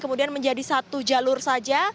kemudian menjadi satu jalur saja